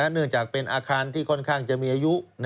เนื่องจากเป็นอาคารที่ค่อนข้างจะมีอายุ